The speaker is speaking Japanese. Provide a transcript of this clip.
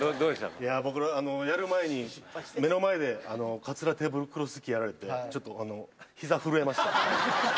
いや、僕、やる前に目の前で、かつらテーブルクロス引きやられて、ちょっと、ひざ震えました。